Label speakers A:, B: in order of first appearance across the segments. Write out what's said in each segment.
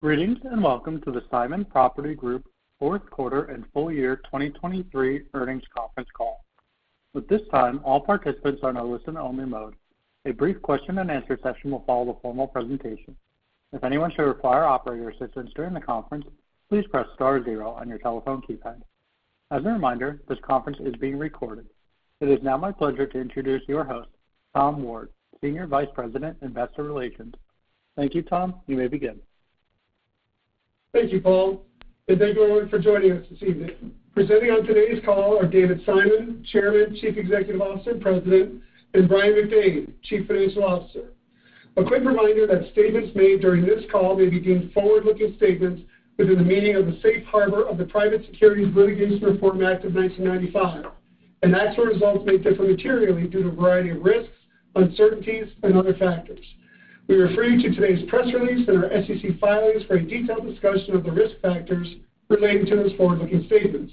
A: Greetings, and welcome to the Simon Property Group Fourth Quarter and Full Year 2023 Earnings Conference Call. At this time, all participants are in a listen-only mode. A brief question-and-answer session will follow the formal presentation. If anyone should require operator assistance during the conference, please press star zero on your telephone keypad. As a reminder, this conference is being recorded. It is now my pleasure to introduce your host, Tom Ward, Senior Vice President, Investor Relations. Thank you, Tom. You may begin.
B: Thank you, Paul, and thank you everyone for joining us this evening. Presenting on today's call are David Simon, Chairman, Chief Executive Officer, and President, and Brian McDade, Chief Financial Officer. A quick reminder that statements made during this call may contain forward-looking statements within the meaning of the Safe Harbor of the Private Securities Litigation Reform Act of 1995, and actual results may differ materially due to a variety of risks, uncertainties, and other factors. We refer you to today's press release and our SEC filings for a detailed discussion of the risk factors relating to those forward-looking statements.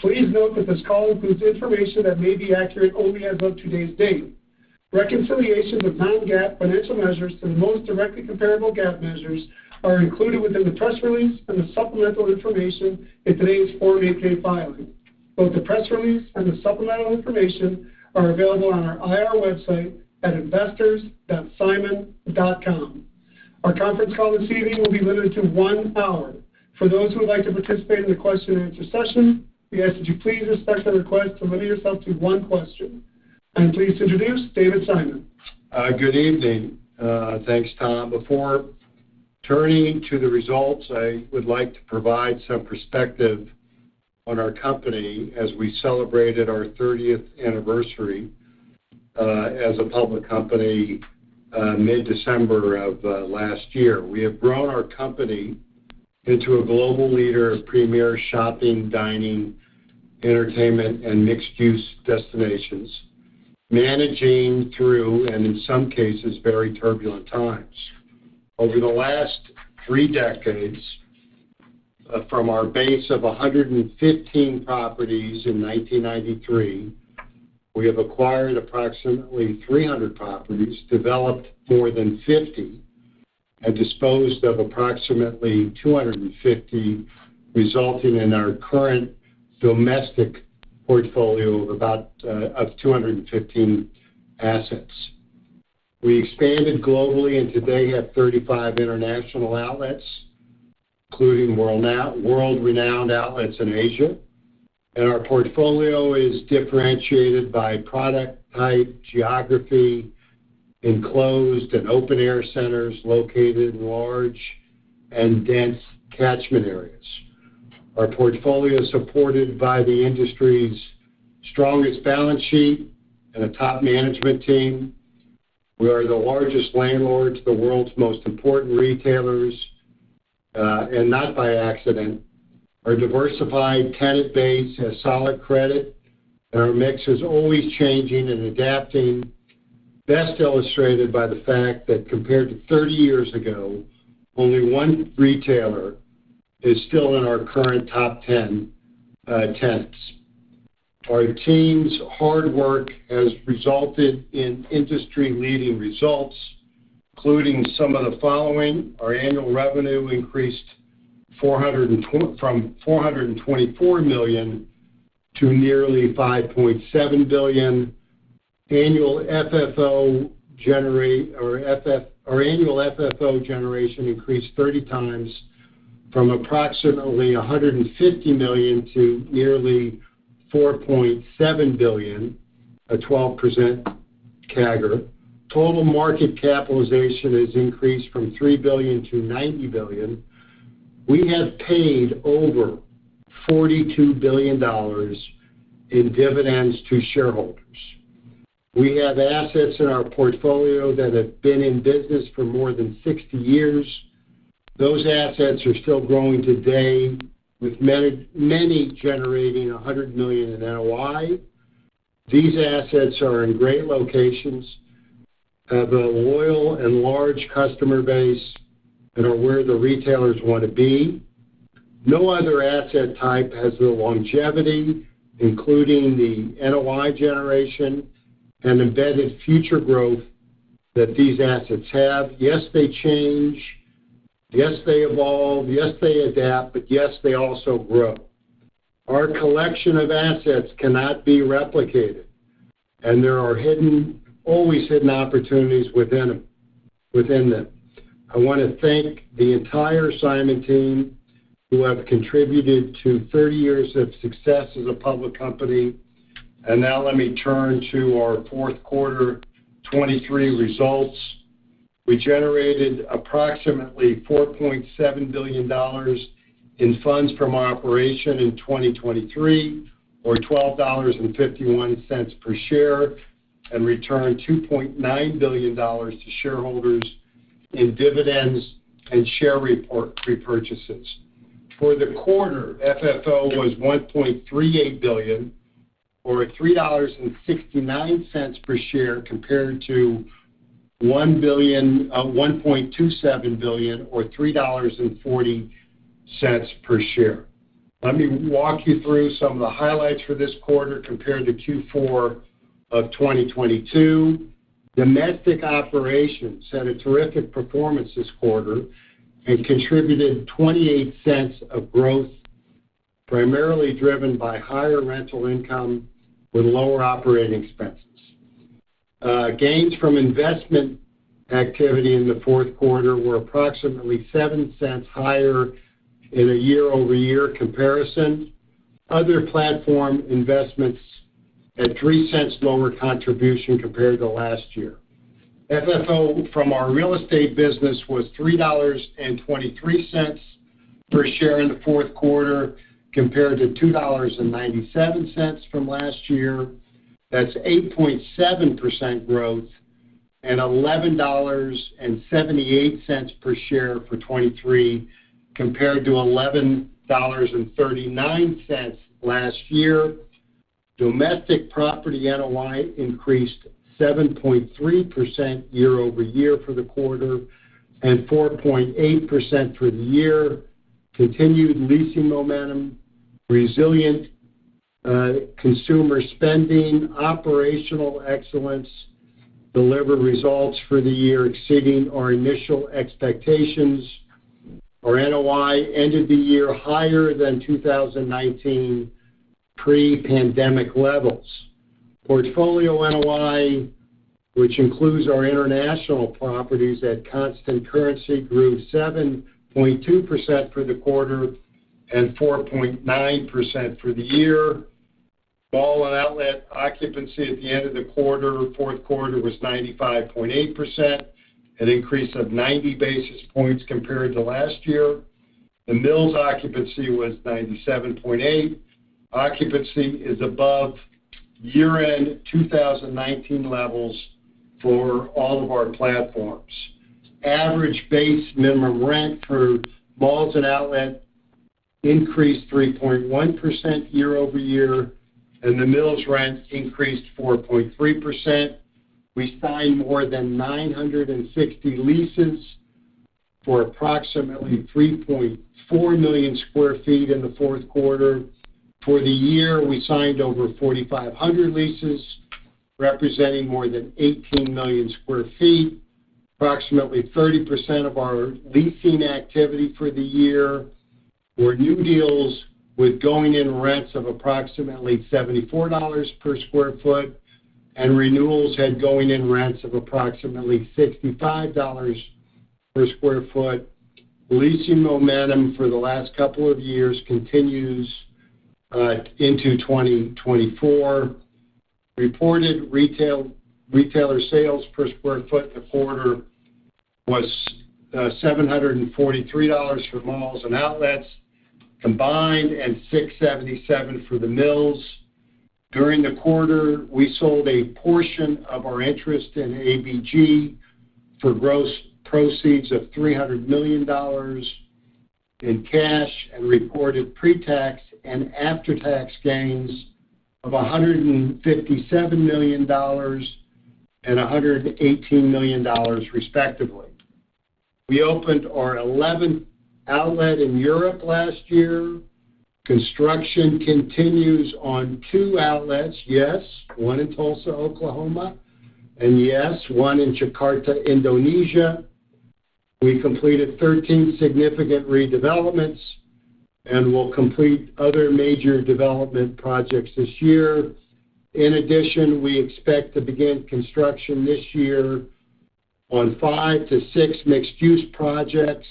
B: Please note that this call includes information that may be accurate only as of today's date. Reconciliations of non-GAAP financial measures to the most directly comparable GAAP measures are included within the press release and the supplemental information in today's Form 8-K filing. Both the press release and the supplemental information are available on our IR website at investors.simon.com. Our conference call this evening will be limited to one hour. For those who would like to participate in the question-and-answer session, we ask that you please respect the request to limit yourself to one question. I'm pleased to introduce David Simon.
C: Good evening. Thanks, Tom. Before turning to the results, I would like to provide some perspective on our company as we celebrated our 30th anniversary as a public company mid-December of last year. We have grown our company into a global leader of premier shopping, dining, entertainment, and mixed-use destinations, managing through, and in some cases, very turbulent times. Over the last three decades, from our base of 115 properties in 1993, we have acquired approximately 300 properties, developed more than 50, and disposed of approximately 250, resulting in our current domestic portfolio of about of 215 assets. We expanded globally and today have 35 international outlets, including world-renowned outlets in Asia, and our portfolio is differentiated by product type, geography, enclosed and open-air centers located in large and dense catchment areas. Our portfolio is supported by the industry's strongest balance sheet and a top management team. We are the largest landlords, the world's most important retailers, and not by accident. Our diversified tenant base has solid credit, and our mix is always changing and adapting, best illustrated by the fact that compared to 30 years ago, only one retailer is still in our current top 10 tenants. Our team's hard work has resulted in industry-leading results, including some of the following: Our annual revenue increased from $424 million to nearly $5.7 billion. Annual FFO generation increased 30 times from approximately $150 million to nearly $4.7 billion, a 12% CAGR. Total market capitalization has increased from $3 billion to $90 billion. We have paid over $42 billion in dividends to shareholders. We have assets in our portfolio that have been in business for more than 60 years. Those assets are still growing today, with many generating $100 million in NOI. These assets are in great locations, have a loyal and large customer base, and are where the retailers want to be. No other asset type has the longevity, including the NOI generation and embedded future growth that these assets have. Yes, they change. Yes, they evolve. Yes, they adapt, but yes, they also grow. Our collection of assets cannot be replicated, and there are hidden, always hidden opportunities within them, within them. I want to thank the entire Simon team, who have contributed to 30 years of success as a public company. Now let me turn to our fourth quarter 2023 results. We generated approximately $4.7 billion in funds from operations in 2023, or $12.51 per share, and returned $2.9 billion to shareholders in dividends and share repurchases. For the quarter, FFO was $1.38 billion, or $3.69 per share, compared to $1.27 billion, or $3.40 per share. Let me walk you through some of the highlights for this quarter compared to Q4 of 2022. Domestic operations had a terrific performance this quarter and contributed $0.28 of growth, primarily driven by higher rental income with lower operating expenses. Gains from investment activity in the fourth quarter were approximately $0.07 higher in a year-over-year comparison. Other platform investments had $0.03 lower contribution compared to last year. FFO from our real estate business was $3.23 per share in the fourth quarter, compared to $2.97 from last year. That's 8.7% growth and $11.78 per share for 2023, compared to $11.39 last year. Domestic property NOI increased 7.3% year-over-year for the quarter, and 4.8% for the year. Continued leasing momentum, resilient consumer spending, operational excellence delivered results for the year exceeding our initial expectations. Our NOI ended the year higher than 2019 pre-pandemic levels. Portfolio NOI, which includes our international properties at constant currency, grew 7.2% for the quarter and 4.9% for the year. Mall and outlet occupancy at the end of the quarter, fourth quarter, was 95.8%, an increase of 90 basis points compared to last year. The Mills occupancy was 97.8%. Occupancy is above year-end 2019 levels for all of our platforms. Average base minimum rent for malls and outlet increased 3.1% year-over-year, and the Mills rent increased 4.3%. We signed more than 960 leases for approximately 3.4 million sq ft in the fourth quarter. For the year, we signed over 4,500 leases, representing more than 18 million sq ft. Approximately 30% of our leasing activity for the year were new deals with going-in rents of approximately $74 per sq ft, and renewals had going-in rents of approximately $65 per sq ft. Leasing momentum for the last couple of years continues into 2024. Reported retailer sales per square foot in the quarter was $743 for malls and outlets, combined, and $677 for the Mills. During the quarter, we sold a portion of our interest in ABG for gross proceeds of $300 million in cash and reported pre-tax and after-tax gains of $157 million and $118 million, respectively. We opened our eleventh outlet in Europe last year. Construction continues on 2 outlets, one in Tulsa, Oklahoma, and one in Jakarta, Indonesia. We completed 13 significant redevelopments and will complete other major development projects this year. In addition, we expect to begin construction this year on 5-6 mixed-use projects,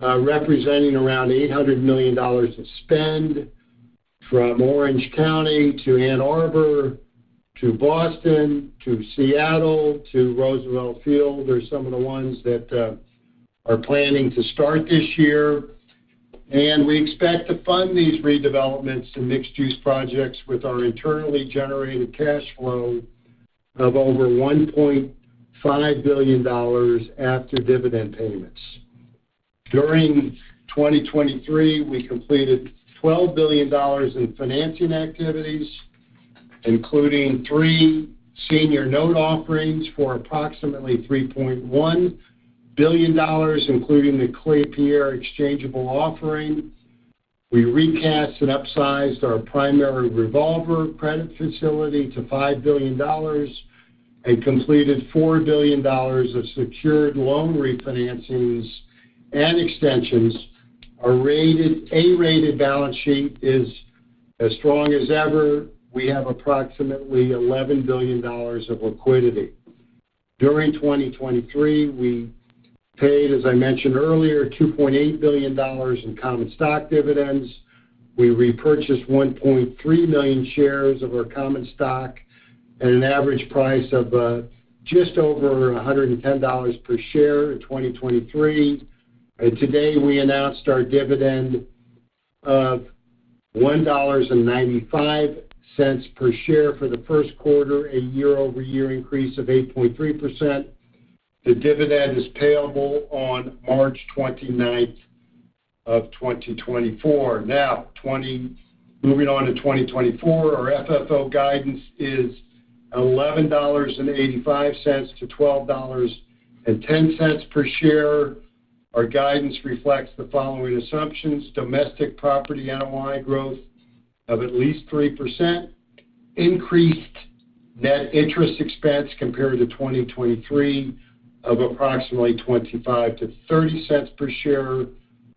C: representing around $800 million of spend, from Orange County to Ann Arbor, to Boston, to Seattle, to Roosevelt Field, are some of the ones that are planning to start this year. We expect to fund these redevelopments and mixed-use projects with our internally generated cash flow of over $1.5 billion after dividend payments. During 2023, we completed $12 billion in financing activities, including 3 senior note offerings for approximately $3.1 billion, including the Klépierre exchangeable offering. We recast and upsized our primary revolver credit facility to $5 billion and completed $4 billion of secured loan refinancings and extensions. Our A-rated balance sheet is as strong as ever. We have approximately $11 billion of liquidity. During 2023, we paid, as I mentioned earlier, $2.8 billion in common stock dividends. We repurchased 1.3 million shares of our common stock at an average price of just over $110 per share in 2023. And today, we announced our dividend of $1.95 per share for the first quarter, a year-over-year increase of 8.3%. The dividend is payable on March 29th of 2024. Now, moving on to 2024, our FFO guidance is $11.85-$12.10 per share. Our guidance reflects the following assumptions: domestic property NOI growth of at least 3%, increased net interest expense compared to 2023 of approximately $0.25-$0.30 per share,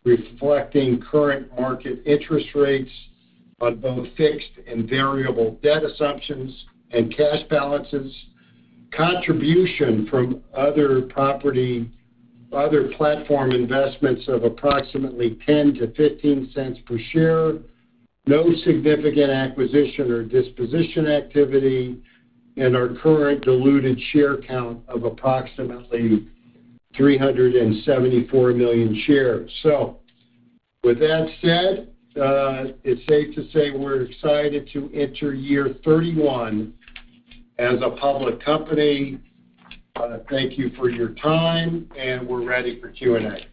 C: reflecting current market interest rates on both fixed and variable debt assumptions and cash balances, contribution from other property, other platform investments of approximately $0.10-$0.15 per share, no significant acquisition or disposition activity, and our current diluted share count of approximately 374 million shares. So with that said, it's safe to say we're excited to enter year 31 as a public company. Thank you for your time, and we're ready for Q&A.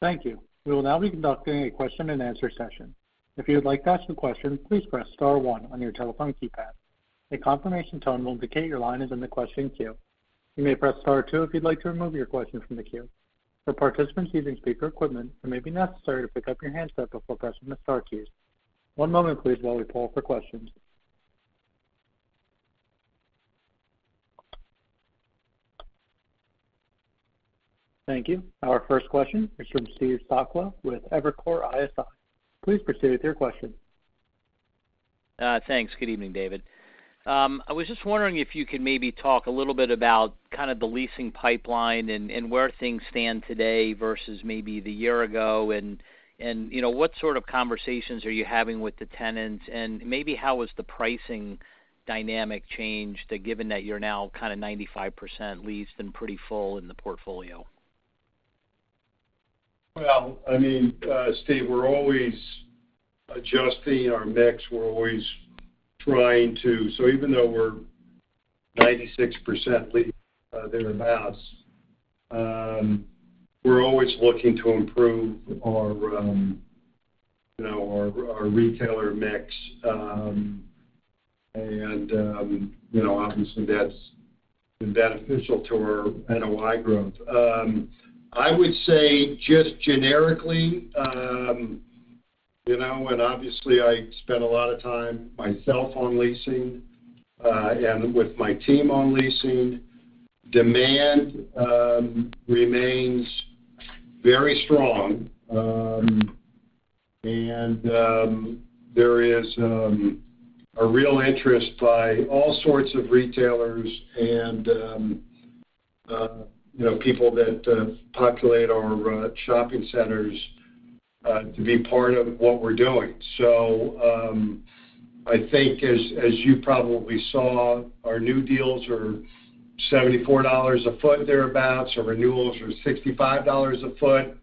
A: Thank you. We will now be conducting a question-and-answer session. If you would like to ask a question, please press star one on your telephone keypad. A confirmation tone will indicate your line is in the question queue. You may press star two if you'd like to remove your question from the queue. For participants using speaker equipment, it may be necessary to pick up your handset before pressing the star keys. One moment, please, while we poll for questions. Thank you. Our first question is from Steve Sakwa with Evercore ISI. Please proceed with your question.
D: Thanks. Good evening, David. I was just wondering if you could maybe talk a little bit about kind of the leasing pipeline and where things stand today versus maybe the year ago, and you know, what sort of conversations are you having with the tenants, and maybe how has the pricing dynamic changed, given that you're now kind of 95% leased and pretty full in the portfolio?
C: Well, I mean, Steve, we're always adjusting our mix. We're always trying to, so even though we're 96% leased, thereabouts, we're always looking to improve our, you know, our, our retailer mix. And, you know, obviously, that's beneficial to our NOI growth. I would say just generically, you know, and obviously, I spend a lot of time myself on leasing, and with my team on leasing, demand remains very strong. And, there is a real interest by all sorts of retailers and, you know, people that populate our shopping centers to be part of what we're doing. So, I think as, as you probably saw, our new deals are $74 a foot, thereabouts, our renewals are $65 a foot.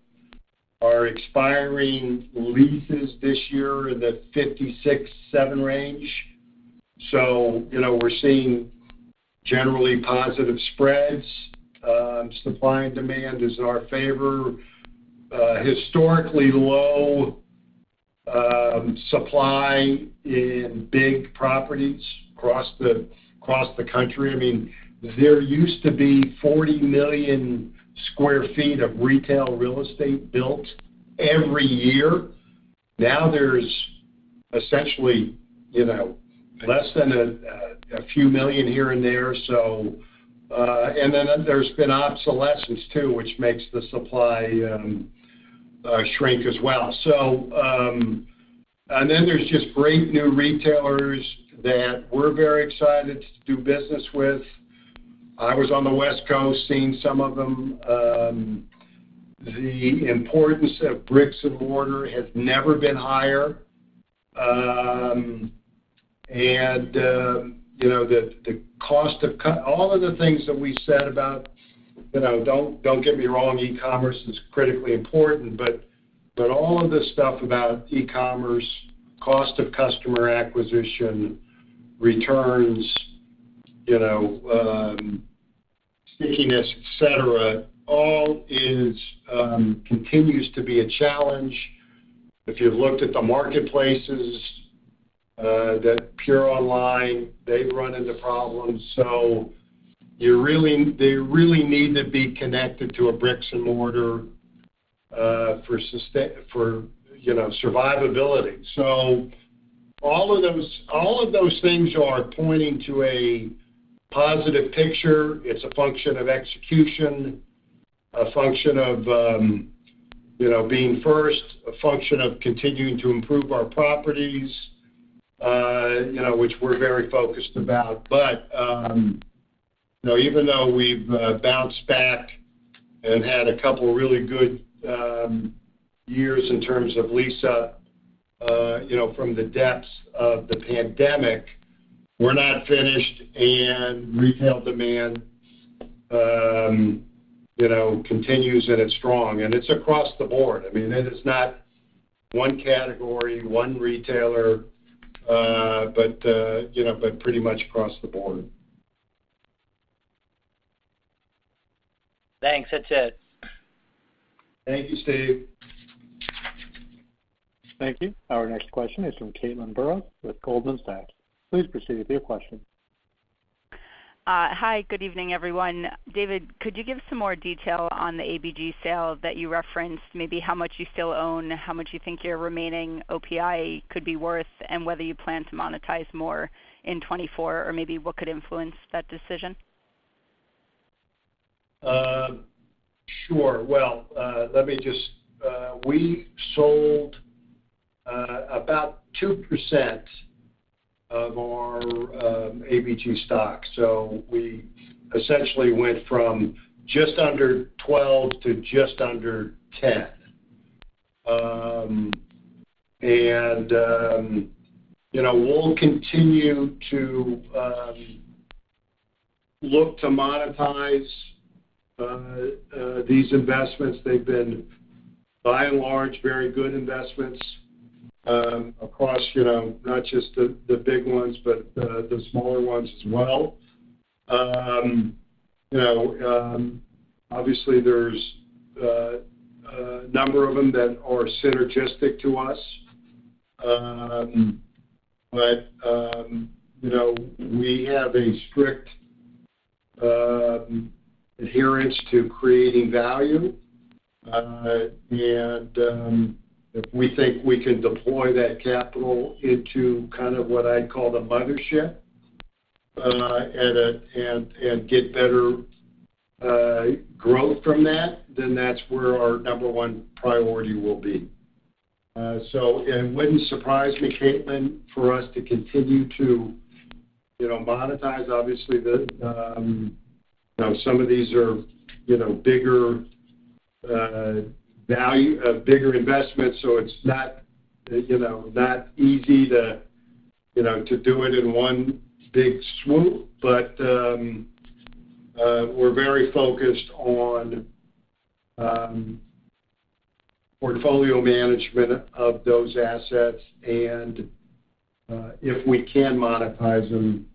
C: Our expiring leases this year are in the 56-57 range, so, you know, we're seeing generally positive spreads. Supply and demand is in our favor. Historically low supply in big properties across the, across the country. I mean, there used to be 40 million sq ft of retail real estate built every year. Now there's essentially, you know, less than a few million here and there. So, uh, and then there's been obsolescence, too, which makes the supply shrink as well. So, and then there's just great new retailers that we're very excited to do business with. I was on the West Coast, seeing some of them. The importance of brick-and-mortar has never been higher. And, you know, the cost of—all of the things that we said about, you know, don't, don't get me wrong, e-commerce is critically important, but, but all of the stuff about e-commerce, cost of customer acquisition, returns, you know, stickiness, et cetera, all is, continues to be a challenge. If you've looked at the marketplaces, that pure online, they've run into problems, so you really—they really need to be connected to a bricks and mortar, for sustain—for, you know, survivability. So all of those, all of those things are pointing to a positive picture. It's a function of execution, a function of, you know, being first, a function of continuing to improve our properties, you know, which we're very focused about. But, you know, even though we've bounced back and had a couple of really good years in terms of lease up, you know, from the depths of the pandemic, we're not finished, and retail demand, you know, continues, and it's strong, and it's across the board. I mean, it is not one category, one retailer, but, you know, but pretty much across the board.
D: Thanks. That's it.
C: Thank you, Steve.
A: Thank you. Our next question is from Caitlin Burrows with Goldman Sachs. Please proceed with your question.
E: Hi, good evening, everyone. David, could you give some more detail on the ABG sale that you referenced, maybe how much you still own, how much you think your remaining OPI could be worth, and whether you plan to monetize more in 2024, or maybe what could influence that decision?
C: Sure. Well, let me just, uh, we sold about 2% of our ABG stock. So we essentially went from just under 12 to just under 10. And, you know, we'll continue to look to monetize these investments. They've been, by and large, very good investments across, you know, not just the big ones, but the smaller ones as well. You know, obviously, there's a number of them that are synergistic to us. But, you know, we have a strict adherence to creating value. And, if we think we can deploy that capital into kind of what I'd call the mothership, and get better growth from that, then that's where our number one priority will be. So, and it wouldn't surprise me, Caitlin, for us to continue to, you know, monetize, obviously the uhm, you know, some of these are, you know, bigger value, bigger investments, so it's not, you know, that easy to, you know, to do it in one big swoop. But, we're very focused on portfolio management of those assets, and, if we can monetize them,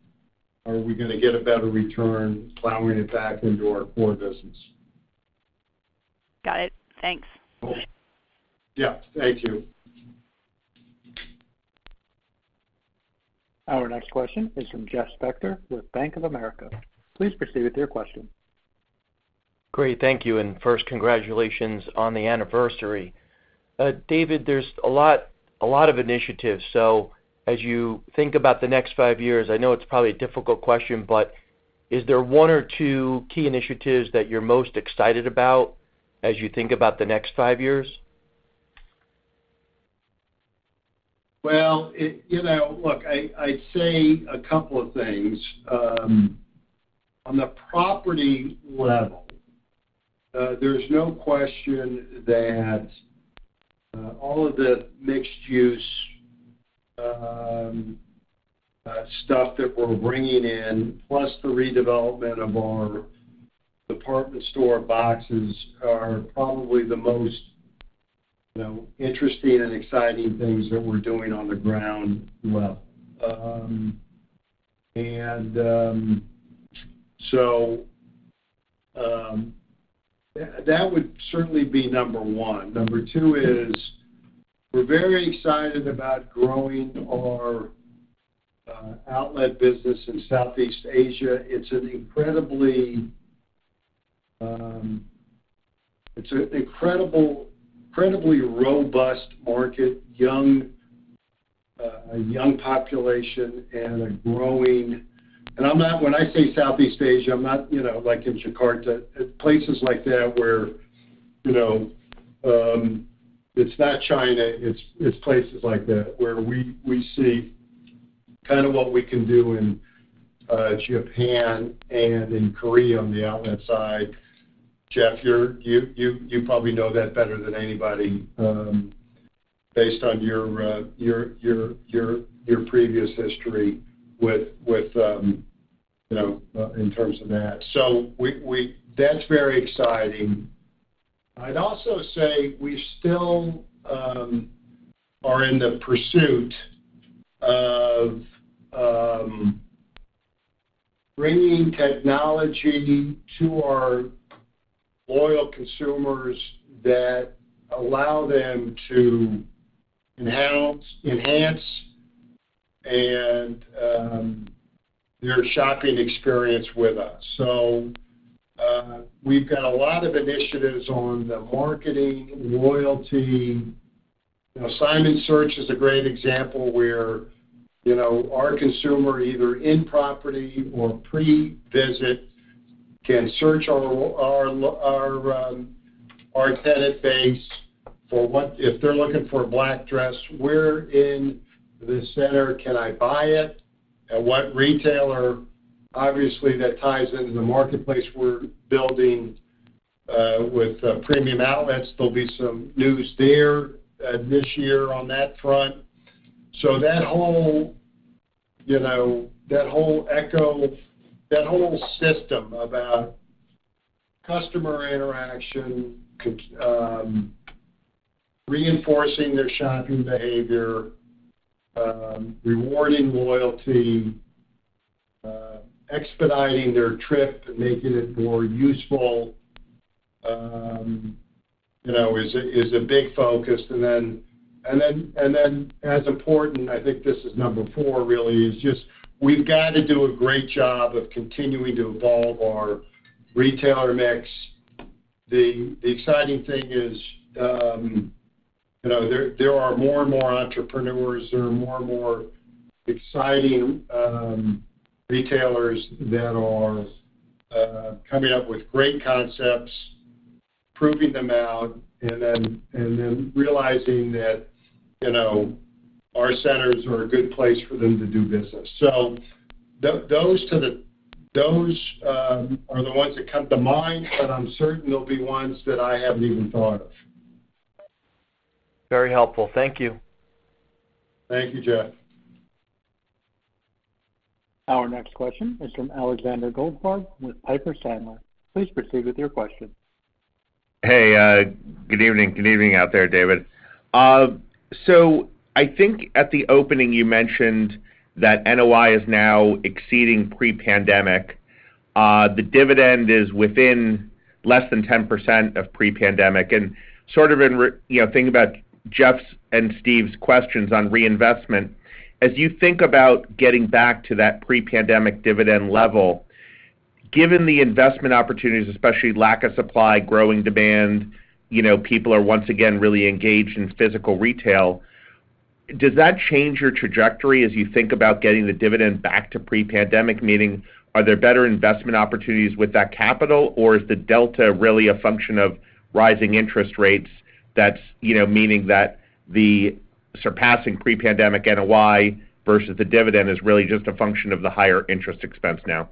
C: are we gonna get a better return plowing it back into our core business?
E: Got it. Thanks.
C: Yeah, thank you.
A: Our next question is from Jeff Spector with Bank of America. Please proceed with your question.
F: Great, thank you, and first, congratulations on the anniversary. David, there's a lot, a lot of initiatives. So as you think about the next five years, I know it's probably a difficult question, but is there one or two key initiatives that you're most excited about as you think about the next five years?
C: Well, it, you know, look, I, I'd say a couple of things. On the property level, there's no question that all of the mixed-use stuff that we're bringing in, plus the redevelopment of our department store boxes, are probably the most, you know, interesting and exciting things that we're doing on the ground level. So that would certainly be number one. Number two is, we're very excited about growing our outlet business in Southeast Asia. It's an incredibly robust market, young, a young population and a growing. And I'm not. When I say Southeast Asia, I'm not, you know, like in Jakarta. Places like that, where, you know, it's not China, it's places like that, where we see kind of what we can do in Japan and in Korea on the outlet side. Jeff, you probably know that better than anybody, based on your previous history with, you know, in terms of that. So, that's very exciting. I'd also say we still are in the pursuit of bringing technology to our loyal consumers that allow them to enhance their shopping experience with us. So, we've got a lot of initiatives on the marketing, loyalty. You know, Simon Search is a great example where, you know, our consumer, either in property or pre-visit, can search our tenant base for what, if they're looking for a black dress, where in the center can I buy it, and what retailer? Obviously, that ties into the marketplace we're building, with Premium Outlets. There'll be some news there this year on that front. So that whole, you know, that whole echo, that whole system about customer interaction reinforcing their shopping behavior, rewarding loyalty, expediting their trip and making it more useful, you know, is a big focus. And then as important, I think this is number four, really, is just we've got to do a great job of continuing to evolve our retailer mix. The exciting thing is, you know, there are more and more entrepreneurs, there are more and more exciting retailers that are coming up with great concepts, proving them out, and then realizing that, you know, our centers are a good place for them to do business. So those are the ones that come to mind, but I'm certain there'll be ones that I haven't even thought of.
F: Very helpful. Thank you.
C: Thank you, Jeff.
A: Our next question is from Alexander Goldfarb with Piper Sandler. Please proceed with your question.
G: Hey, good evening. Good evening out there, David. So I think at the opening, you mentioned that NOI is now exceeding pre-pandemic. The dividend is within less than 10% of pre-pandemic. You know, thinking about Jeff's and Steve's questions on reinvestment, as you think about getting back to that pre-pandemic dividend level, given the investment opportunities, especially lack of supply, growing demand, you know, people are once again really engaged in physical retail, does that change your trajectory as you think about getting the dividend back to pre-pandemic, meaning, are there better investment opportunities with that capital, or is the delta really a function of rising interest rates that's, you know, meaning that the surpassing pre-pandemic NOI versus the dividend is really just a function of the higher interest expense now?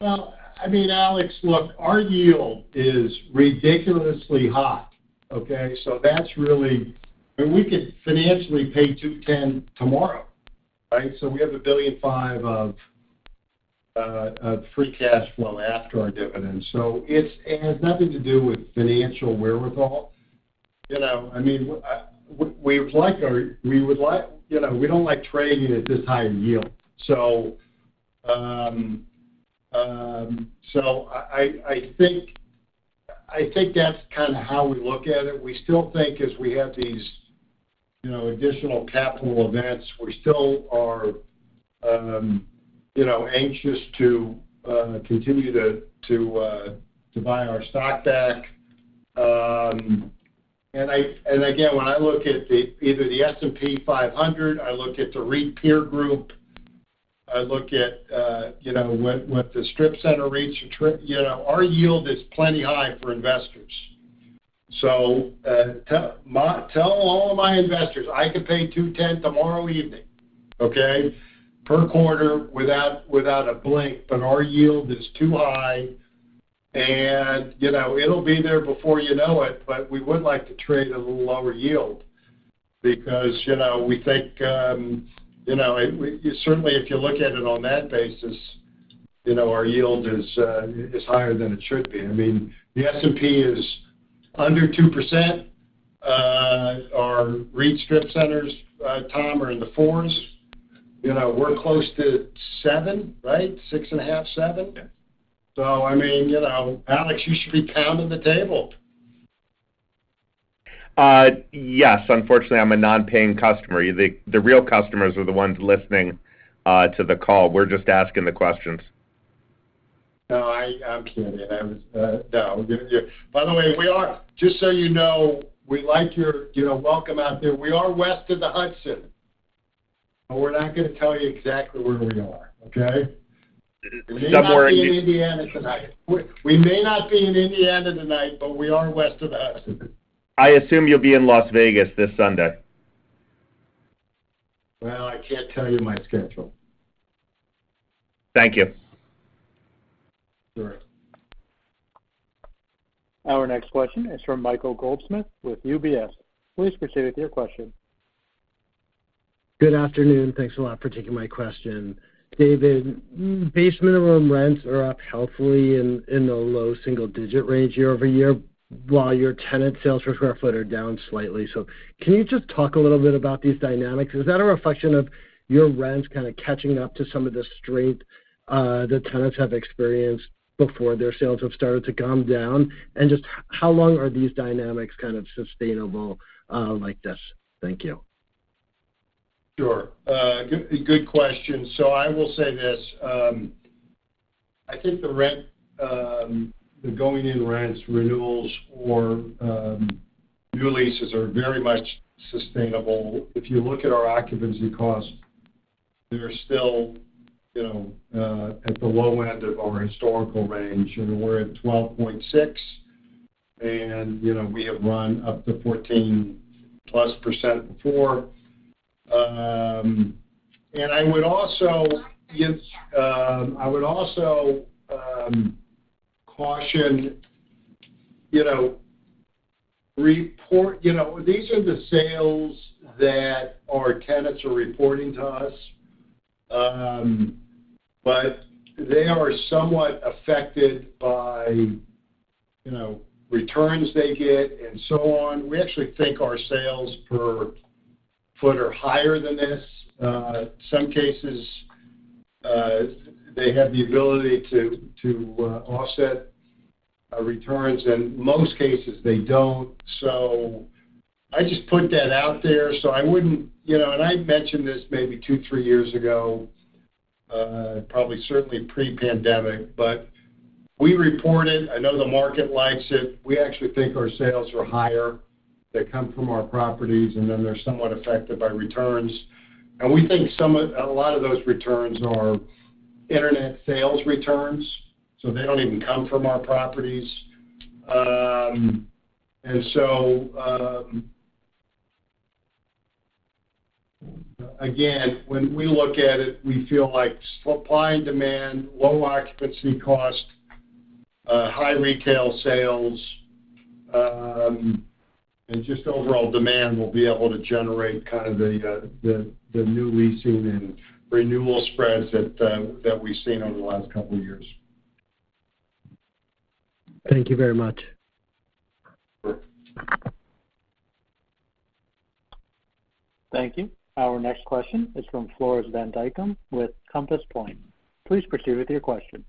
C: Well, I mean, Alex, look, our yield is ridiculously high, okay? So that's really, I mean, we could financially pay 2.10 tomorrow, right? So we have $1.5 billion of free cash flow after our dividends. So it's it has nothing to do with financial wherewithal. You know, I mean, we would like our we would like, you know, we don't like trading at this high a yield. So, so I think, I think that's kind of how we look at it. We still think as we have these, you know, additional capital events, we still are, you know, anxious to continue to buy our stock back. And again, when I look at the either the S&P 500, I look at the REIT peer group, I look at, you know, what, what the strip center REITs. You know, our yield is plenty high for investors. So, tell my, tell all of my investors, I could pay $2.10 tomorrow evening, okay? Per quarter, without, without a blink, but our yield is too high, and, you know, it'll be there before you know it, but we would like to trade at a little lower yield. Because, you know, we think, you know, it, certainly, if you look at it on that basis, you know, our yield is, is higher than it should be. I mean, the S&P is under 2%, our REIT strip centers, Tom, are in the 4s. You know, we're close to 7%, right?6.5-7? I mean, you know, Alex, you should be pounding the table.
G: Yes, unfortunately, I'm a non-paying customer. The real customers are the ones listening to the call. We're just asking the questions.
C: No, I'm kidding. No, by the way, we are, just so you know, we like your, you know, welcome out there. We are west of the Hudson, but we're not going to tell you exactly where we are, okay?
G: I'm wearing-
C: We may not be in Indiana tonight, but we are west of the Hudson.
G: I assume you'll be in Las Vegas this Sunday.
C: Well, I can't tell you my schedule.
G: Thank you.
C: Sure.
A: Our next question is from Michael Goldsmith with UBS. Please proceed with your question.
H: Good afternoon. Thanks a lot for taking my question. David, base minimum rents are up healthily in the low single-digit range year-over-year, while your tenant sales per square foot are down slightly. So can you just talk a little bit about these dynamics? Is that a reflection of your rents kind of catching up to some of the strength the tenants have experienced before their sales have started to come down? And just how long are these dynamics kind of sustainable like this? Thank you.
C: Sure. Good, good question. So I will say this, I think the rent, the going-in rents, renewals, or, new leases are very much sustainable. If you look at our occupancy costs, they're still, you know, at the low end of our historical range. I mean, we're at 12.6, and, you know, we have run up to 14+ % before. And I would also give, uh, I would also, caution, you know, report, you know, these are the sales that our tenants are reporting to us. But they are somewhat affected by, you know, returns they get, and so on. We actually think our sales per foot are higher than this. Some cases, they have the ability to, offset, returns, and most cases, they don't. So I just put that out there, so I wouldn't, you know, and I mentioned this maybe two, three years ago, probably certainly pre-pandemic, but we report it. I know the market likes it. We actually think our sales are higher, they come from our properties, and then they're somewhat affected by returns. And we think some of, a lot of those returns are internet sales returns, so they don't even come from our properties. And so, again, when we look at it, we feel like supply and demand, low occupancy cost, high retail sales, and just overall demand will be able to generate kind of the, the, the new leasing and renewal spreads that, that we've seen over the last couple of years.
H: Thank you very much.
C: Sure.
A: Thank you. Our next question is from Floris Van Dijkum, with Compass Point. Please proceed with your question.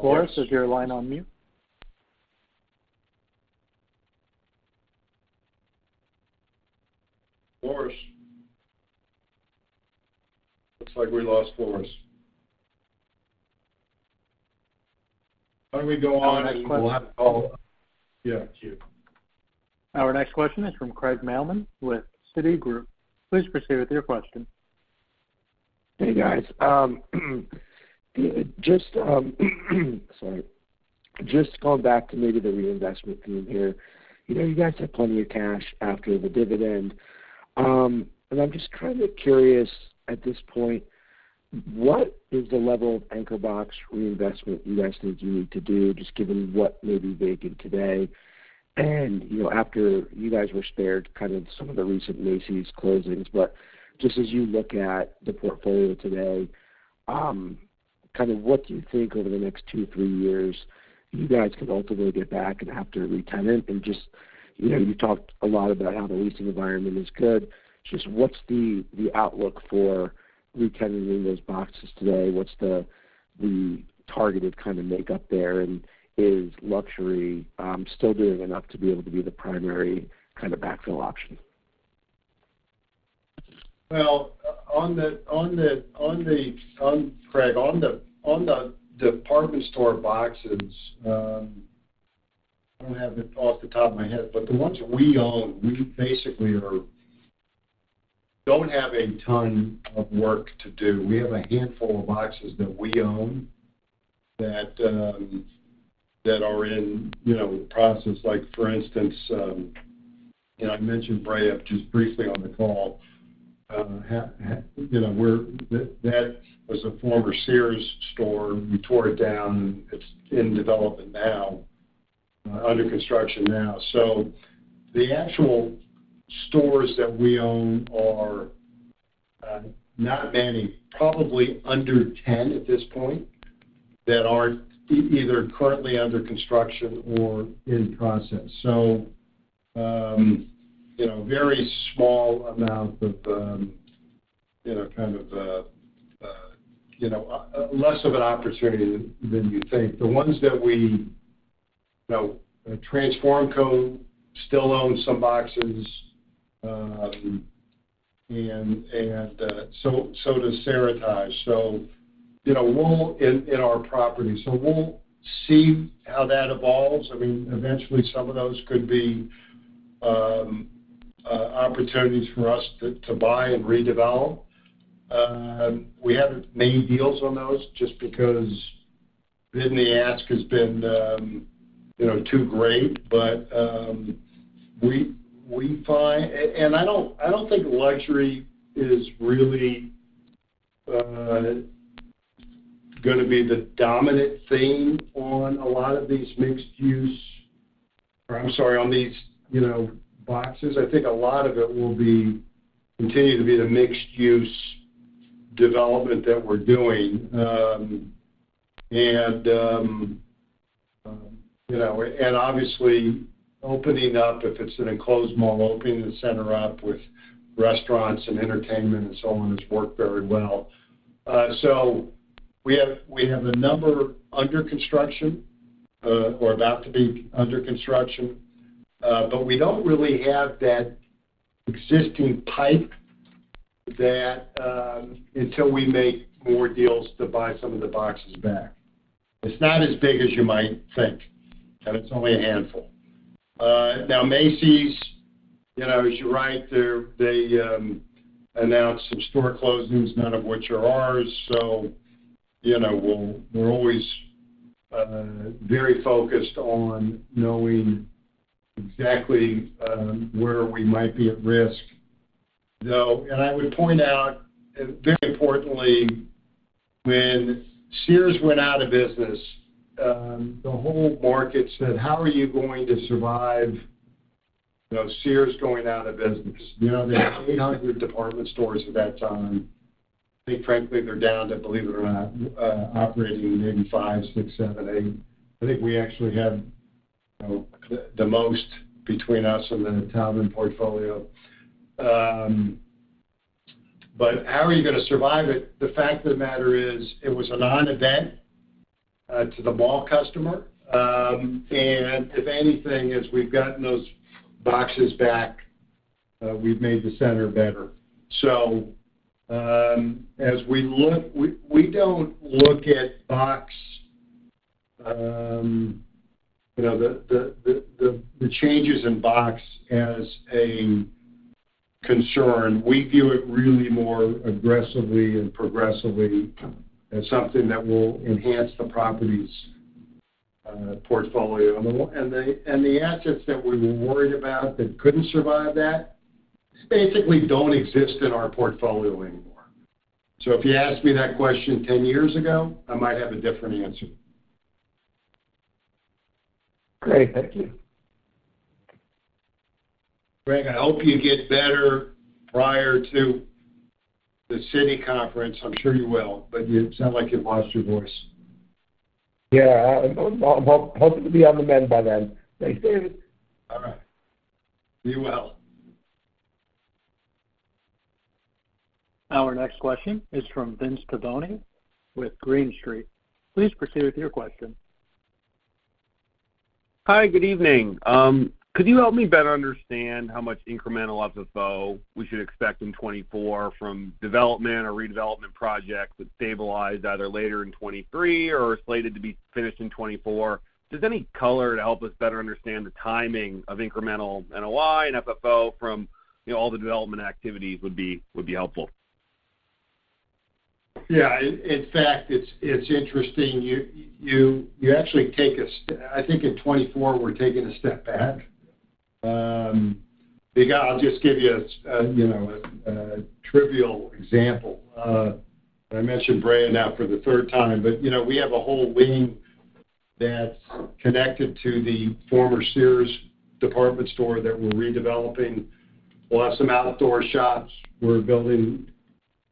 A: Floris, is your line on mute? Floris? Looks like we lost Floris. Why don't we go on, and we'll have all. Yeah, sure. Our next question is from Craig Mailman, with Citigroup. Please proceed with your question.
I: Hey, guys. Just going back to maybe the reinvestment theme here. You know, you guys have plenty of cash after the dividend. And I'm just kind of curious, at this point, what is the level of anchor box reinvestment you guys think you need to do, just given what may be vacant today? And, you know, after you guys were spared kind of some of the recent Macy's closings, but just as you look at the portfolio today, kind of what do you think over the next two, three years, you guys can ultimately get back and have to retenant? And just, you know, you talked a lot about how the leasing environment is good. Just what's the outlook for retenanting those boxes today? What's the targeted kind of makeup there, and is luxury still doing enough to be able to be the primary kind of backfill option?
C: Well, Craig, on the department store boxes, I don't have it off the top of my head, but the ones that we own, we basically don't have a ton of work to do. We have a handful of boxes that we own, that are in, you know, process, like, for instance, and I mentioned Brea just briefly on the call. You know, where that was a former Sears store. We tore it down. It's in development now, under construction now. So the actual stores that we own are not many, probably under 10 at this point, that are either currently under construction or in process. So, you know, very small amount of, you know, kind of, less of an opportunity than you'd think. The ones that we, you know, Transformco still owns some boxes, and so does Seritage. So you know, we'll, in our property. So we'll see how that evolves. I mean, eventually, some of those could be opportunities for us to buy and redevelop. We haven't made deals on those just because then the ask has been, you know, too great. But, we find, and I don't think luxury is really gonna be the dominant theme on a lot of these mixed-use or I'm sorry, on these, you know, boxes. I think a lot of it will be, continue to be the mixed-use development that we're doing. You know, obviously opening up, if it's an enclosed mall, opening the center up with restaurants and entertainment and so on, has worked very well. So we have a number under construction or about to be under construction, but we don't really have that existing pipe that until we make more deals to buy some of the boxes back. It's not as big as you might think, and it's only a handful. Now, Macy's, you know, as you're right, they're—they announced some store closings, none of which are ours. So, you know, we're always very focused on knowing exactly where we might be at risk. So, and I would point out, and very importantly, when Sears went out of business, the whole market said: How are you going to survive, you know, Sears going out of business? You know, they had 800 department stores at that time. I think, frankly, they're down to, believe it or not, operating maybe five, six, seven, eight. I think we actually have, you know, the most between us and the Taubman portfolio. But how are you going to survive it? The fact of the matter is, it was a non-event to the mall customer. And if anything, as we've gotten those boxes back, we've made the center better. So, as we look, we don't look at box, you know, the changes in box as a concern. We view it really more aggressively and progressively as something that will enhance the property's portfolio. And the assets that we were worried about that couldn't survive that basically don't exist in our portfolio anymore. So if you asked me that question 10 years ago, I might have a different answer.
I: Great. Thank you.
C: Greg, I hope you get better prior to the Citi Conference. I'm sure you will, but you sound like you've lost your voice.
I: Yeah, I'm hoping to be on the mend by then. Thanks, David.
C: All right. Be well.
A: Our next question is from Vince Tibone with Green Street. Please proceed with your question.
J: Hi, good evening. Could you help me better understand how much incremental FFO we should expect in 2024 from development or redevelopment projects that stabilize either later in 2023 or slated to be finished in 2024? Does any color to help us better understand the timing of incremental NOI and FFO from, you know, all the development activities would be helpful.
C: Yeah, in fact, it's interesting. You actually take a step back. I think in 2024, we're taking a step back. I think I'll just give you a, you know, a trivial example. I mentioned Brea now for the third time, but, you know, we have a whole wing that's connected to the former Sears department store that we're redeveloping. We'll have some outdoor shops. We're building,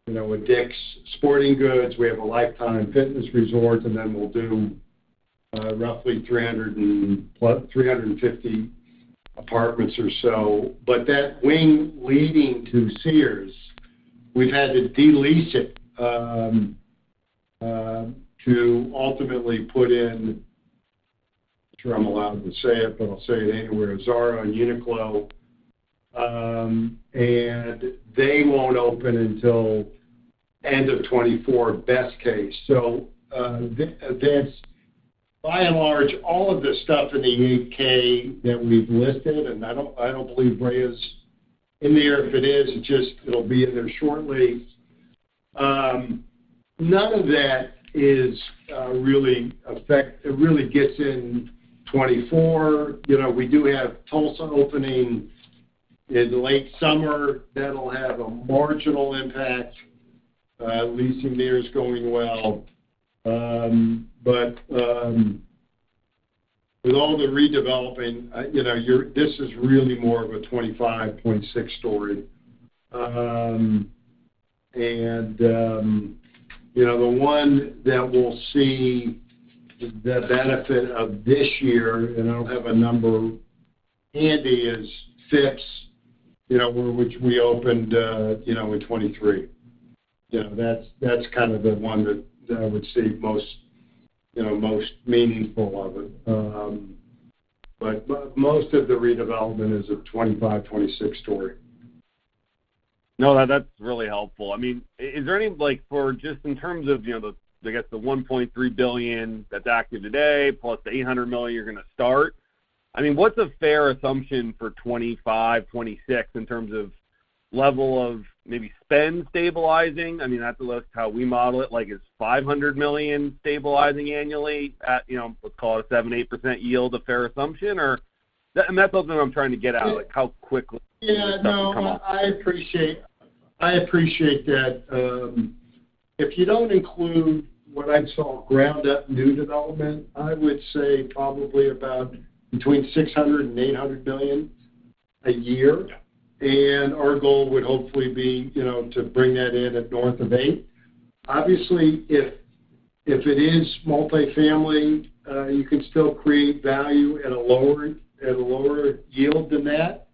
C: you know, a Dick's Sporting Goods. We have a Life Time Fitness Resort, and then we'll do, uh, roughly 350 apartments or so. But that wing leading to Sears, we've had to de-lease it to ultimately put in, not sure I'm allowed to say it, but I'll say it anyway, Zara and Uniqlo. And they won't open until end of 2024, best case. That's, by and large, all of the stuff in the 8-K that we've listed, and I don't believe Brea is in there. If it is, it'll be in there shortly. None of that really gets in 2024. You know, we do have Tulsa opening in the late summer. That'll have a marginal impact. Leasing there is going well. But with all the redeveloping, you know, this is really more of a 2025.6 story. And you know, the one that we'll see the benefit of this year, and I don't have a number handy, is Phipps, you know, where we opened, you know, in 2023. You know, that's kind of the one that I would say most, you know, most meaningful of it. But most of the redevelopment is a 25-26-story.
J: No, that's really helpful. I mean, is there any, like, for just in terms of, you know, the, I guess, the $1.3 billion that's active today, plus the $800 million you're gonna start, I mean, what's a fair assumption for 2025, 2026 in terms of level of maybe spend stabilizing? I mean, that's at least how we model it. Like, is $500 million stabilizing annually at, you know, let's call it 7%-8% yield, a fair assumption, or that, and that's something I'm trying to get at, like, how quickly-
C: Yeah.
J: Things come up.
C: No, I appreciate, I appreciate that. If you don't include what I saw as ground-up new development, I would say probably about between $600 million and $800 million a year. Our goal would hopefully be, you know, to bring that in at north of 8%. Obviously, if, if it is multifamily, you can still create value at a lower, at a lower yield than that.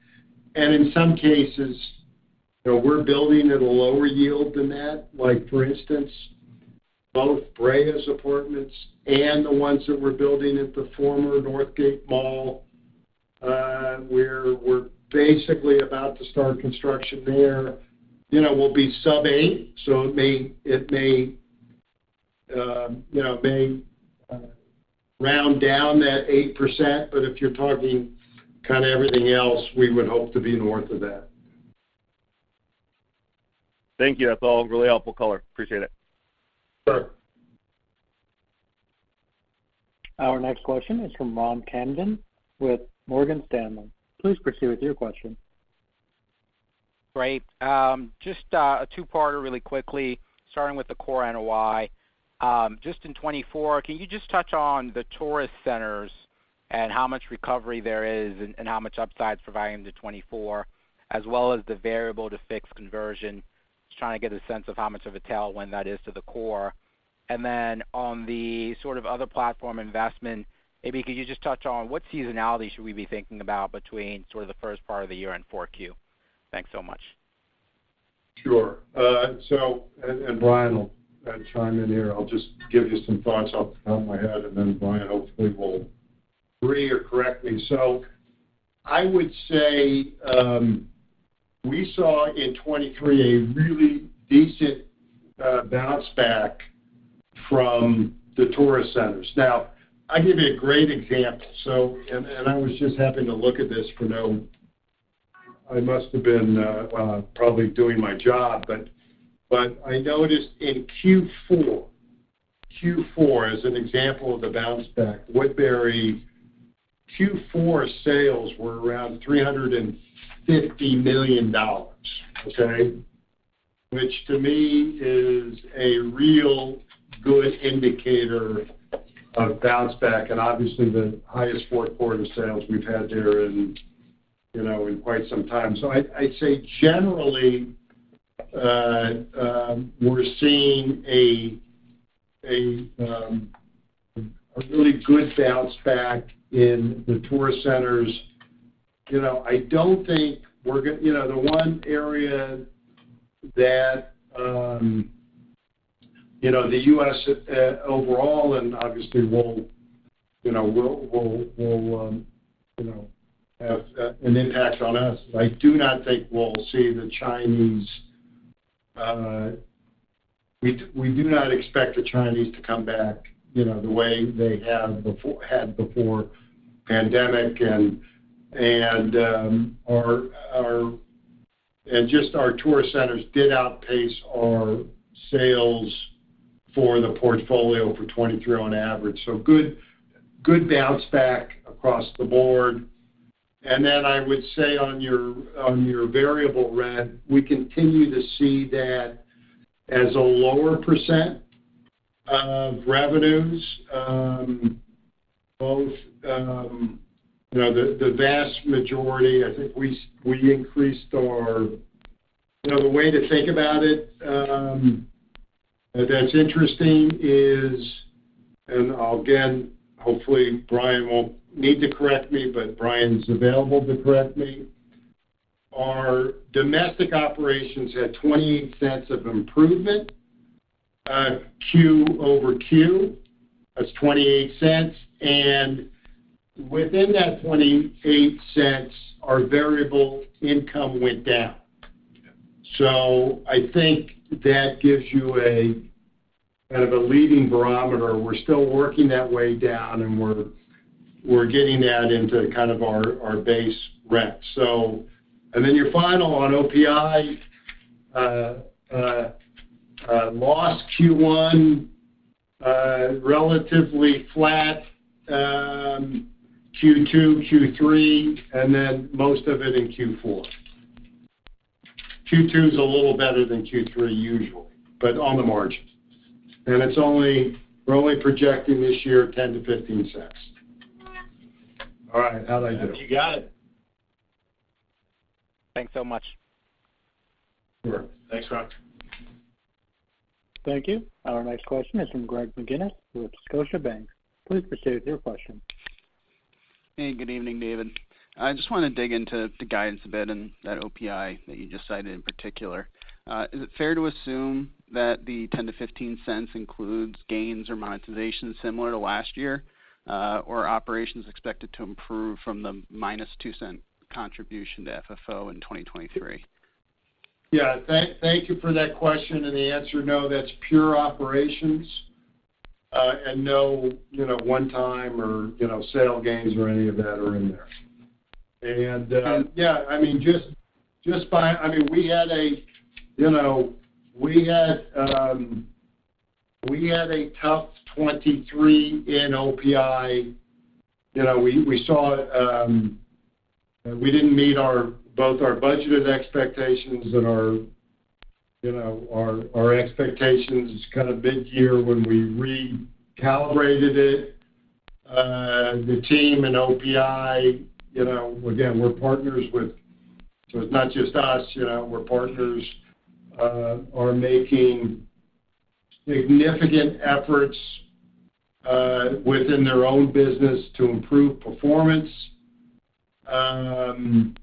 C: And in some cases, you know, we're building at a lower yield than that. Like, for instance, both Brea's apartments and the ones that we're building at the former Northgate Mall, where we're basically about to start construction there, you know, will be sub-8%, so it may, it may, um, you know, may, round down that 8%, but if you're talking kind of everything else, we would hope to be north of that.
J: Thank you. That's all really helpful color. Appreciate it.
C: Sure.
A: Our next question is from Ron Kamdem with Morgan Stanley. Please proceed with your question.
K: Great. Just, a two-parter really quickly, starting with the core NOI. Just in 2024, can you just touch on the tourist centers and how much recovery there is and, and how much upside is providing to 2024, as well as the variable to fixed conversion? Just trying to get a sense of how much of a tailwind that is to the core. And then on the sort of other platform investment, maybe could you just touch on what seasonality should we be thinking about between sort of the first part of the year and 4Q? Thanks so much.
C: Sure. So, and Brian will chime in here. I'll just give you some thoughts off the top of my head, and then Brian hopefully will agree or correct me. So I would say, we saw in 2023 a really decent bounce back from the tourist centers. Now, I'll give you a great example. And I was just having to look at this. I must have been probably doing my job, but I noticed in Q4, Q4, as an example of the bounce back, Woodbury Q4 sales were around $350 million, okay? Which, to me, is a real good indicator of bounce back and obviously the highest fourth quarter sales we've had there in, you know, in quite some time. So I'd say generally, we're seeing a really good bounce back in the tourist centers. You know, I don't think we're— You know, the one area that, you know, the U.S. overall and obviously will, you know, have an impact on us. I do not think we'll see the Chinese, we do not expect the Chinese to come back, you know, the way they had before pandemic. And just our tourist centers did outpace our sales for the portfolio for 2023 on average. So good bounce back across the board. And then I would say on your variable rent, we continue to see that as a lower % of revenues, both uhm, you know, the vast majority, I think we increased our, you know, the way to think about it, that's interesting is, and again, hopefully, Brian won't need to correct me, but Brian's available to correct me. Our domestic operations had $0.28 of improvement, Q over Q. That's $0.28, and within that $0.28, our variable income went down. So I think that gives you a kind of a leading barometer. We're still working that way down, and we're getting that into kind of our base rent. So and then your final on OPI, a loss Q1, relatively flat, Q2, Q3, and then most of it in Q4. Q2 is a little better than Q3 usually, but on the margins. And we're only projecting this year $0.10-$0.15. All right. How'd I do?
K: You got it. Thanks so much.
C: Sure. Thanks, Ron.
A: Thank you. Our next question is from Greg McGinniss with Scotiabank. Please proceed with your question.
L: Hey, good evening, David. I just want to dig into the guidance a bit and that OPI that you just cited in particular. Is it fair to assume that the $0.10-$0.15 includes gains or monetization similar to last year, or operations expected to improve from the -$0.02 contribution to FFO in 2023?
C: Yeah, thank you for that question, and the answer, no, that's pure operations, and no, you know, one-time or, you know, sale gains or any of that are in there. And, yeah, I mean, just by I mean, we had, you know, we had a tough 2023 in OPI. You know, we saw uh, we didn't meet our, both our budgeted expectations and our, you know, our, our expectations. It's kind of big year when we recalibrated it. The team and OPI, you know, again, we're partners with, so it's not just us, you know, we're partners are making significant efforts within their own business to improve performance. And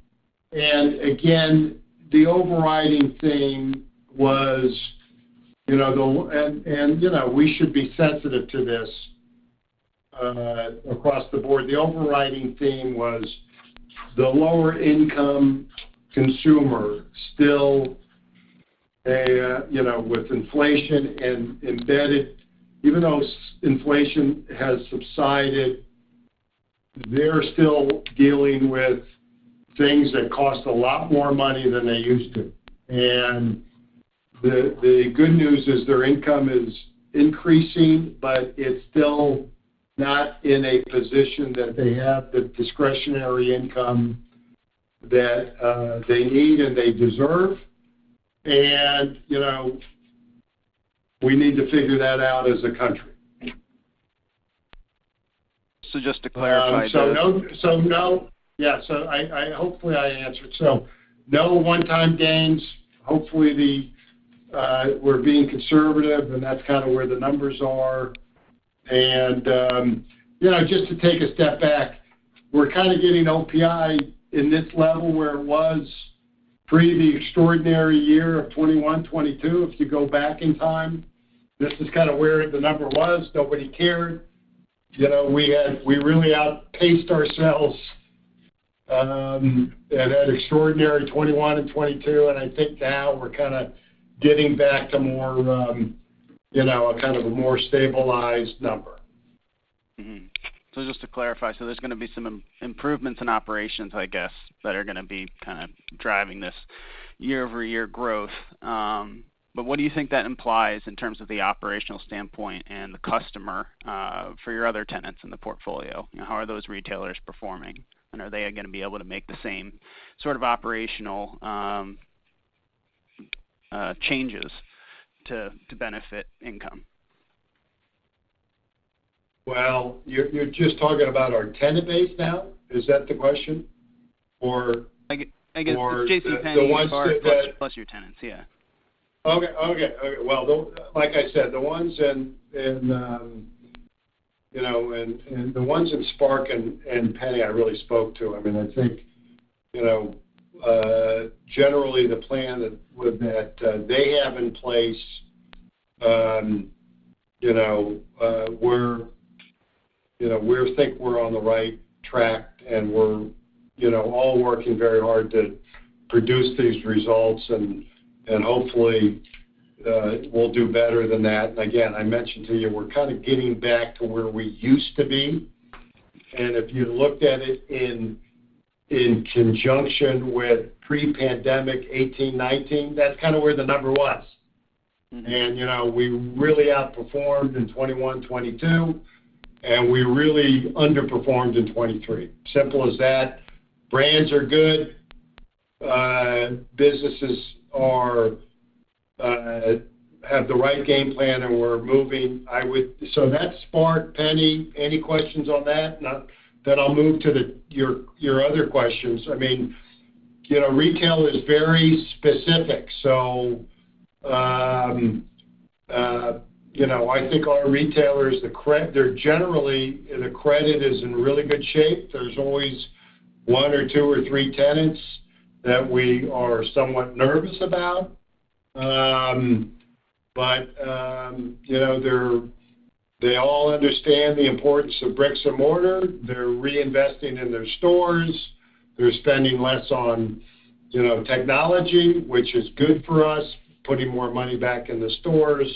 C: again, the overriding theme was, you know, the, and, and, you know, we should be sensitive to this across the board. The overriding theme was the lower income consumer, still, you know, with inflation embedded, even though inflation has subsided. They're still dealing with things that cost a lot more money than they used to. And the good news is their income is increasing, but it's still not in a position that they have the discretionary income that they need and they deserve. And, you know, we need to figure that out as a country.
L: Just to clarify-
C: So no. Yeah, so hopefully, I answered. So no one-time gains. Hopefully, we're being conservative, and that's kind of where the numbers are. And, you know, just to take a step back, we're kind of getting OPI in this level where it was pre the extraordinary year of 2021, 2022. If you go back in time, this is kind of where the number was. Nobody cared. You know, we had—we really outpaced ourselves, in that extraordinary 2021 and 2022, and I think now we're kind of getting back to more, you know, a kind of a more stabilized number.
L: Mm-hmm. So just to clarify, so there's gonna be some improvements in operations, I guess, that are gonna be kind of driving this year-over-year growth. But what do you think that implies in terms of the operational standpoint and the customer for your other tenants in the portfolio? How are those retailers performing, and are they gonna be able to make the same sort of operational changes to benefit income?
C: Well, you're, you're just talking about our tenant base now? Is that the question, or-
L: I guess, I guess J.C. Penney-
C: The ones that-
L: Plus your tenants, yeah.
C: Okay. Okay. Well, though, like I said, the ones in, in, you know, and, and the ones in SPARC and, and Penney, I really spoke to. I mean, I think, you know, generally, the plan that with that, they have in place, you know, we're, you know, we think we're on the right track, and we're, you know, all working very hard to produce these results, and, and hopefully, we'll do better than that. Again, I mentioned to you, we're kind of getting back to where we used to be. And if you looked at it in, in conjunction with pre-pandemic 18, 19, that's kind of where the number was. You know, we really outperformed in 2021, 2022, and we really underperformed in 2023. Simple as that. Brands are good. Businesses are have the right game plan, and we're moving. So that's SPARC, Penney. Any questions on that? Now then I'll move to your other questions. I mean, you know, retail is very specific, so you know, I think our retailers, they're generally, and the credit is in really good shape. There's always one or two or three tenants that we are somewhat nervous about. But you know, they're they all understand the importance of bricks and mortar. They're reinvesting in their stores. They're spending less on, you know, technology, which is good for us, putting more money back in the stores,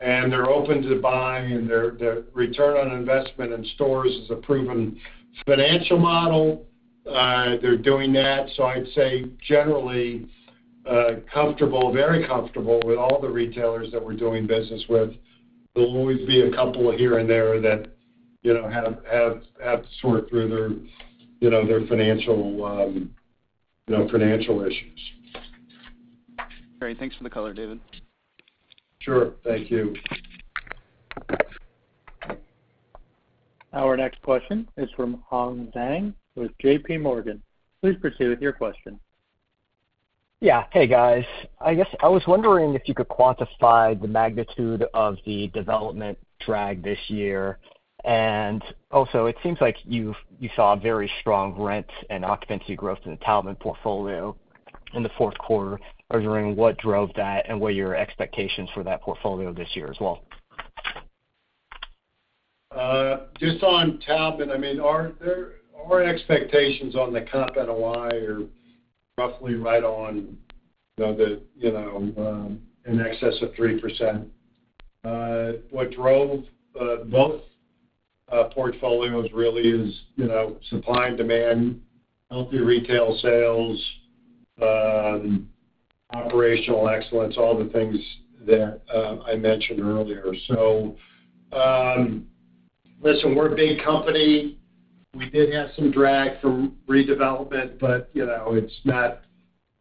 C: and they're open to buying, and their return on investment in stores is a proven financial model. They're doing that, so I'd say, generally, comfortable, very comfortable with all the retailers that we're doing business with. There'll always be a couple here and there that, you know, have to sort through their, you know, their financial, you know, financial issues.
L: Great. Thanks for the color, David.
C: Sure. Thank you.
A: Our next question is from Hong Zhang with J.P. Morgan. Please proceed with your question.
M: Yeah. Hey, guys. I guess I was wondering if you could quantify the magnitude of the development drag this year. And also, it seems like you saw a very strong rent and occupancy growth in the Taubman portfolio in the fourth quarter. I was wondering what drove that and what are your expectations for that portfolio this year as well?
C: Just on Taubman, I mean, our, their, our expectations on the comp NOI are roughly right on, you know, the, you know, in excess of 3%. What drove both portfolios really is, you know, supply and demand, healthy retail sales, operational excellence, all the things that I mentioned earlier. So, listen, we're a big company. We did have some drag from redevelopment, but, you know, it's not,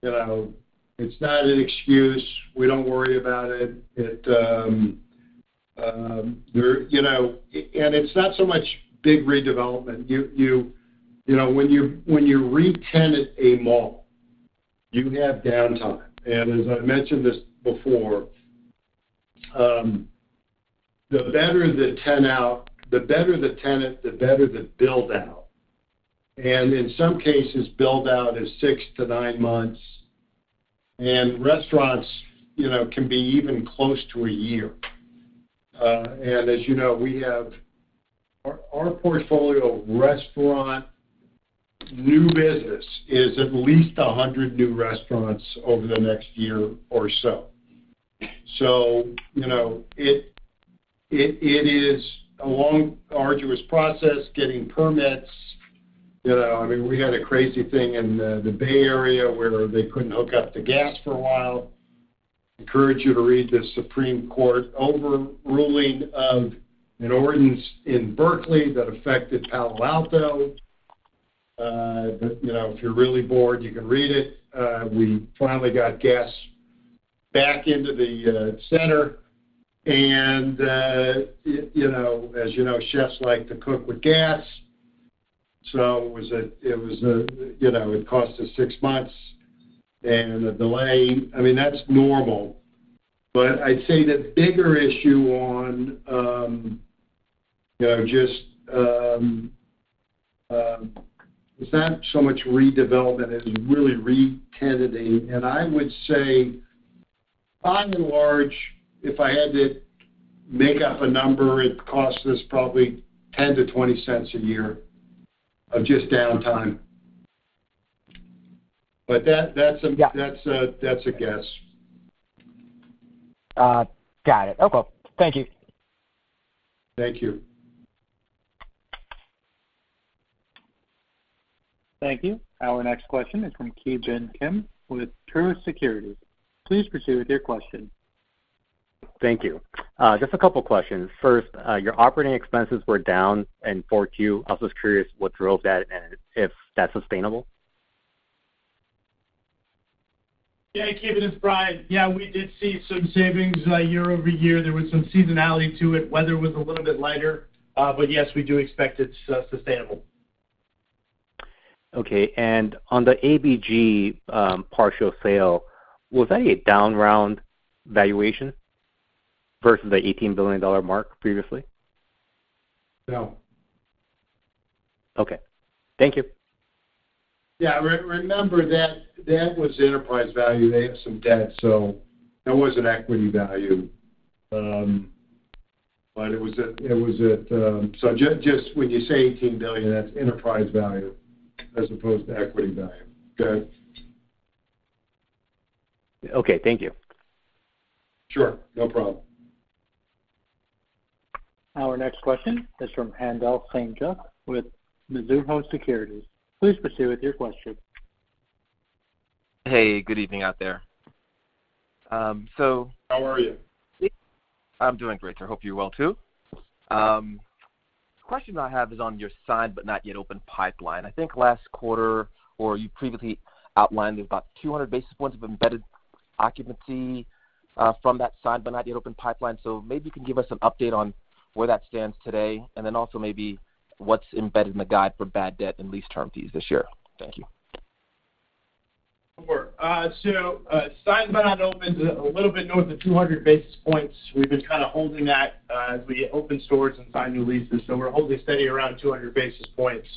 C: you know, it's not an excuse. We don't worry about it. It, there, you know. And it's not so much big redevelopment. You, you, you know, when you, when you retenant a mall, you have downtime. And as I've mentioned this before, the better the tenant out, the better the tenant, the better the build-out. In some cases, build-out is 6-9 months, and restaurants, you know, can be even close to a year. And as you know, we have our portfolio of restaurant new business is at least 100 new restaurants over the next year or so. So, you know, it is a long, arduous process getting permits. You know, I mean, we had a crazy thing in the Bay Area, where they couldn't hook up to gas for a while. Encourage you to read the Supreme Court overruling of an ordinance in Berkeley that affected Palo Alto. But, you know, if you're really bored, you can read it. We finally got gas back into the center. You know, as you know, chefs like to cook with gas, so it was a, you know, it cost us six months and a delay. I mean, that's normal. But I'd say the bigger issue on, you know, just, it's not so much redevelopment as really retenanting. And I would say, by and large, if I had to make up a number, it costs us probably $0.10-$0.20 a year of just downtime. But that, that's a, that's a guess.
M: Got it. Okay. Thank you.
C: Thank you.
A: Thank you. Our next question is from Ki Bin Kim with Truist Securities. Please proceed with your question.
N: Thank you. Just a couple questions. First, your operating expenses were down in fourth Q. I was just curious what drove that and if that's sustainable?
O: Yeah, Ki Bin, it's Brian. Yeah, we did see some savings, year-over-year. There was some seasonality to it. Weather was a little bit lighter. But yes, we do expect it's sustainable.
N: Okay. On the ABG, partial sale, was that a down round valuation versus the $18 billion mark previously?
C: No.
N: Okay. Thank you.
C: Yeah, remember that that was enterprise value. They have some debt, so that was an equity value. But uhm, so just when you say $18 billion, that's enterprise value as opposed to equity value. Okay?
N: Okay, thank you.
C: Sure. No problem.
A: Our next question is from Haendel St. Juste with Mizuho Securities. Please proceed with your question.
P: Hey, good evening out there.
C: How are you?
P: I'm doing great, sir. Hope you're well, too. The question I have is on your signed but not yet open pipeline. I think last quarter, or you previously outlined, there's about 200 basis points of embedded occupancy from that signed but not yet open pipeline. So maybe you can give us an update on where that stands today, and then also maybe what's embedded in the guide for bad debt and lease term fees this year. Thank you.
O: Sure. So, signed but not opened, a little bit north of 200 basis points. We've been kind of holding that, as we open stores and sign new leases, so we're holding steady around 200 basis points.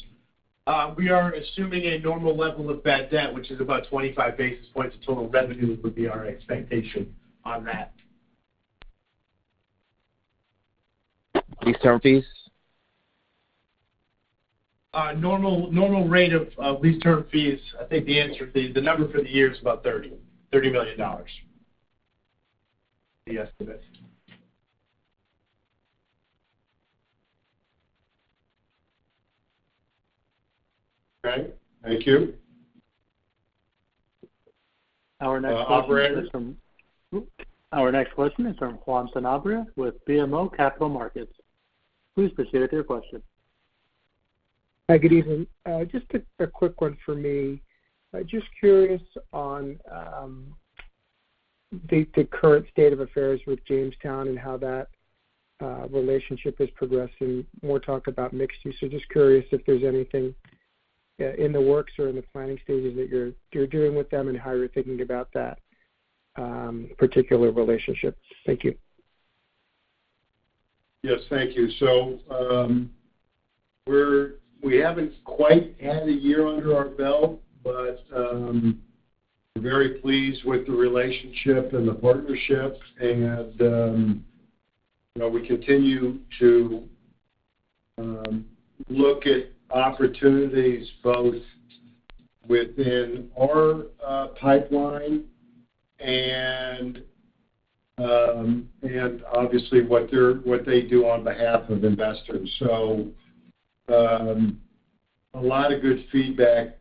O: We are assuming a normal level of bad debt, which is about 25 basis points of total revenue, would be our expectation on that.
P: Lease term fees?
O: Normal rate of lease term fees, I think the answer, the number for the year is about $30 million. The estimate.
C: Okay. Thank you.
A: Our next question.
C: Uh, operator-
A: Our next question is from Juan Sanabria with BMO Capital Markets. Please proceed with your question.
Q: Hi, good evening. Just a quick one for me. Just curious on the current state of affairs with Jamestown and how that relationship is progressing. More talk about mixed use, so just curious if there's anything in the works or in the planning stages that you're doing with them and how you're thinking about that particular relationship. Thank you.
C: Yes, thank you. So, we're - we haven't quite had a year under our belt, but we're very pleased with the relationship and the partnership. And you know, we continue to look at opportunities both within our pipeline and obviously what they do on behalf of investors. So, a lot of good feedback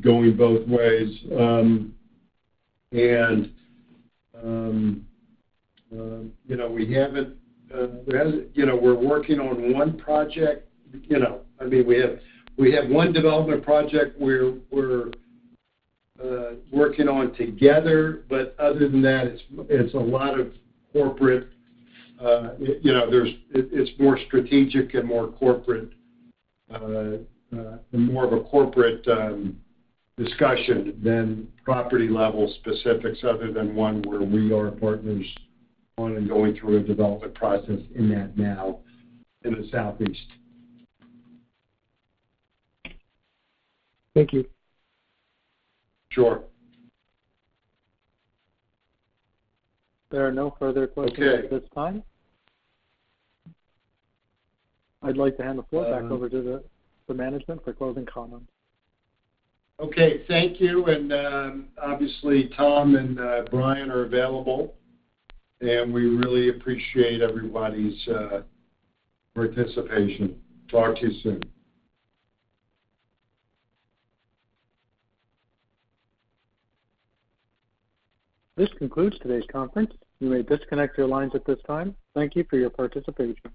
C: going both ways. And you know, we haven't, you know, we're working on one project. You know, I mean, we have one development project we're working on together, but other than that, it's a lot of corporate, you know. It's more strategic and more corporate discussion than property-level specifics, other than one where we are partners on and going through a development process in that now in the Southeast.
Q: Thank you.
C: Sure.
A: There are no further questions.
C: Okay
A: At this time, I'd like to hand the floor back over to the management for closing comments.
C: Okay, thank you. And, obviously, Tom and Brian are available, and we really appreciate everybody's participation. Talk to you soon.
A: This concludes today's conference. You may disconnect your lines at this time. Thank you for your participation.